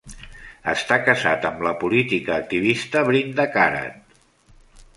Està casat amb la política activista Brinda Karat.